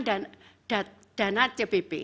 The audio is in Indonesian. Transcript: harus menggunakan dana cbp